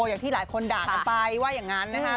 อย่างที่หลายคนด่ากันไปว่าอย่างนั้นนะคะ